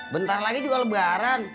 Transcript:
bentar lagi juga lebaran